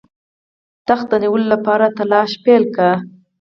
تخت د نیولو لپاره تلاښ پیل کړ.